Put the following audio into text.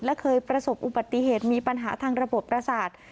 และเคยประสบอุบัติเหตุมีปัญหาทางระบบประสาท